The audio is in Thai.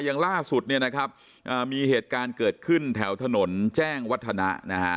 อย่างล่าสุดมีเหตุการณ์เกิดขึ้นแถวถนนแจ้งวัฒนา